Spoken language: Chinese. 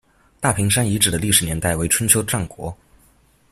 大坪山遗址的历史年代为春秋战国。